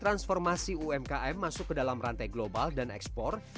transformasi umkm masuk ke dalam rantai global dan ekspor